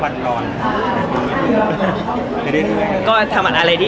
ความคลุกก็จะมีปัญหา